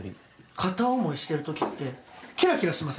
片思いしてる時ってキラキラしませんか？